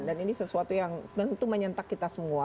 dan ini sesuatu yang tentu menyentak kita semua